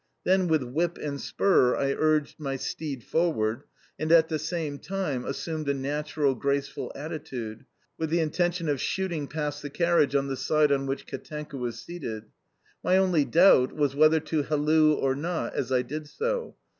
Then with whip and spur I urged my steed forward, and at the same time assumed a natural, graceful attitude, with the intention of whooting past the carriage on the side on which Katenka was seated. My only doubt was whether to halloo or not as I did so.